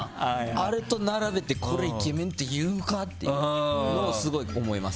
あれと並べてこれイケメンっていうか！？とすごい思います。